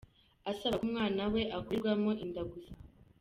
asaba ko umwana we akurirwamo inda gusa.